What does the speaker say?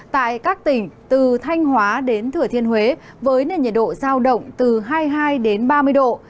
tại các tỉnh từ thanh hóa đến thừa thiên huế với nền nhiệt độ giao động từ hai mươi hai đến ba mươi độ